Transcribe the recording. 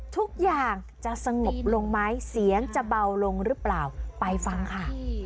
ทุกอย่างจะสงบลงไหมเสียงจะเบาลงหรือเปล่าไปฟังค่ะ